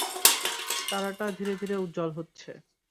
তারাটা ধীরে ধীরে উজ্জ্বল হচ্ছে!